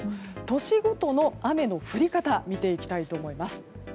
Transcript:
都市ごとの雨の降り方見ていきたいと思います。